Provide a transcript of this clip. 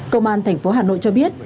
công an tp hà nội cho biết